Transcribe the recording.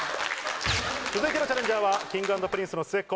続いてのチャレンジャーはＫｉｎｇ＆Ｐｒｉｎｃｅの末っ子。